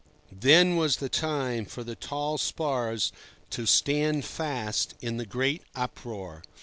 Then was the time for the tall spars to stand fast in the great uproar.